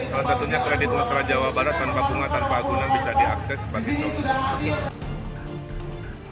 salah satunya kredit mesra jawa barat tanpa bunga tanpa agunan bisa diakses